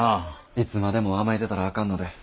いつまでも甘えてたらあかんので。